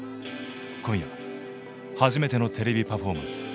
今夜初めてのテレビパフォーマンス。